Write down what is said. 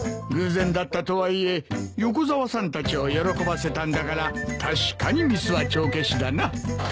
偶然だったとはいえ横沢さんたちを喜ばせたんだから確かにミスは帳消しだな。